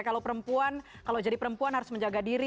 kalau perempuan kalau jadi perempuan harus menjaga diri